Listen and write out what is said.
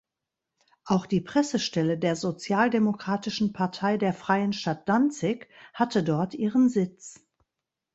Auch die Pressestelle der Sozialdemokratischen Partei der Freien Stadt Danzig hatte dort ihren Sitz.